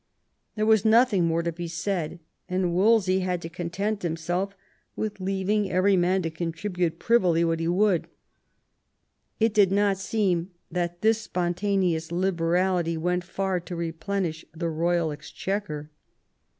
There was nothing more to.be said, and Wolsey had to con , tent himself with leaving every man to contribute privily what he would. It did not seem that this spon taneous liberality went far to replenish the royal exchequer.